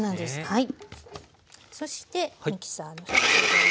はい。